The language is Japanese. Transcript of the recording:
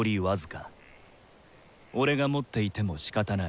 オレが持っていてもしかたナイ。